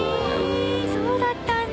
へえそうだったんだ。